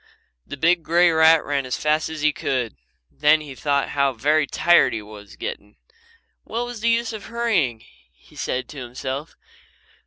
The big grey rat ran as fast as he could. Then he thought how very tired he was getting. "What's the use of hurrying?" he said to himself.